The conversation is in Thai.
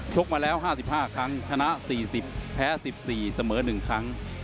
ชกมาแล้วห้าสิบห้าครั้งชนะสี่สิบแพ้สิบสี่เสมอหนึ่งครั้ง